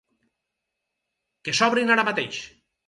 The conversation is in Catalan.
Que s'obrin ara mateix!